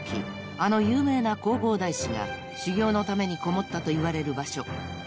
あの有名な弘法大師が修行のためにこもったといわれる場所］